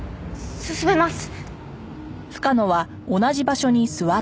進めます。